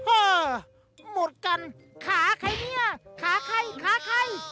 อ้าวหมดกันขาไข่เนี่ยขาไข่ขาไข่